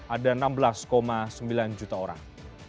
ada enam belas sembilan juta orang